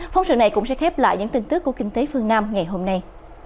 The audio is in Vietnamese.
phóng sự này cũng sẽ khép lại những tin tức của kinh tế phương nam ngày hôm nay